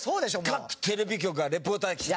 各テレビ局からリポーター来て。